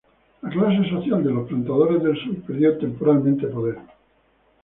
La clase social de los plantadores del sur perdió temporalmente poder.